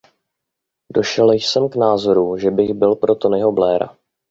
Došel jsem k názoru, že bych byl pro Tonyho Blaira.